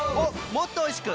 もっとおいしく！